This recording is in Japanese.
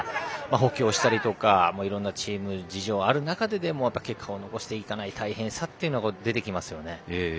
補強をしたりとかいろんなチーム事情がある中でも結果を残していかないといけない大変さが出てきますよね。